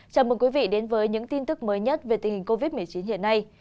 chào mừng quý vị đến với những tin tức mới nhất về tình hình covid một mươi chín hiện nay